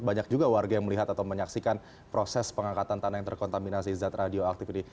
banyak juga warga yang melihat atau menyaksikan proses pengangkatan tanah yang terkontaminasi zat radioaktif ini